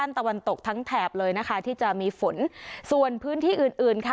ตะวันตกทั้งแถบเลยนะคะที่จะมีฝนส่วนพื้นที่อื่นอื่นค่ะ